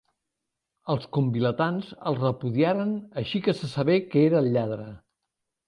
Els convilatans el repudiaren així que se sabé que era el lladre.